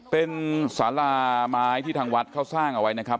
เป็นสาราไม้ที่ทางวัดเขาสร้างเอาไว้นะครับ